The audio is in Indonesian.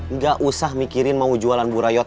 enggak usah mikirin mau jualan burayot